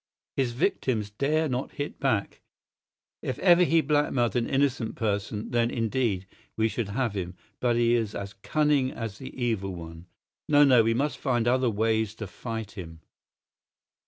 His victims dare not hit back. If ever he blackmailed an innocent person, then, indeed, we should have him; but he is as cunning as the Evil One. No, no; we must find other ways to fight him."